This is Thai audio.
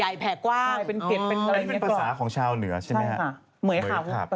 แล้วตากขาบล่ะ